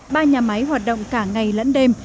ba nhà máy hoạt động cả ngày lẫn đêm